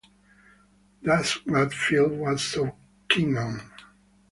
That's what Field was so keen on.